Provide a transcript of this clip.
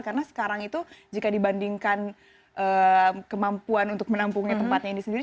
karena sekarang itu jika dibandingkan kemampuan untuk menampung tempatnya ini sendiri